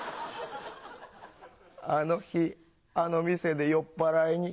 あの日あの店で酔っぱらいに。